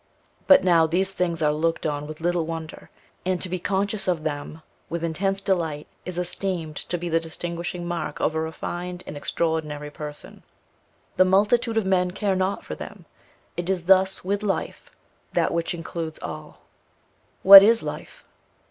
But now these things are looked on with little wonder, and to be conscious of them with intense delight is esteemed to be the distinguishing mark of a refined and extraordinary person. The multitude of men care not for them. It is thus with Life that which includes all. What is life?